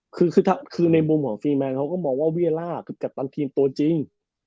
คือในมุมของฟีมน์แมนก็มองว่าเวียล่ากับบางทีมตัวจริง